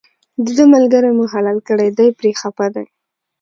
دده ملګری مو حلال کړی دی پرې خپه دی.